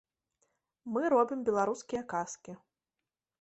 Мы робім беларускія казкі.